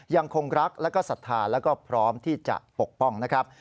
ยังคงรักและก็ศรัทธาแล้วก็พร้อมที่จะปกป้องนะครับ